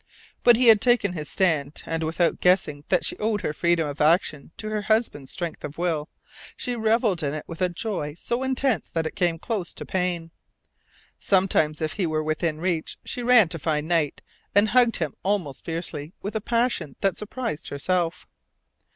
But he had taken his stand; and without guessing that she owed her freedom of action to her husband's strength of will, she revelled in it with a joy so intense that it came close to pain. Sometimes, if he were within reach, she ran to find Knight, and hugged him almost fiercely, with a passion that surprised herself.